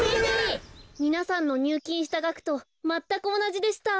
みなさんのにゅうきんしたがくとまったくおなじでした。